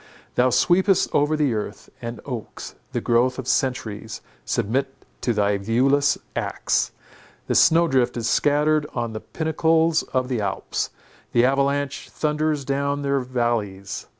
Thou sweepest over the earth, and oaks, the growth of centuries, submit to thy viewless axe; the snow drift is scattered on the pinnacles of the Alps, the avalanche thunders down their vallies.